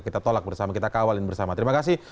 kita tolak bersama kita kawalin bersama terima kasih